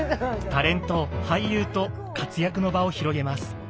タレント俳優と活躍の場を広げます。